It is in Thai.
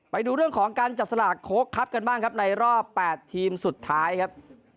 ไปดูเรื่องของการจับสลากโค้กครับกันบ้างครับในรอบ๘ทีมสุดท้ายครับ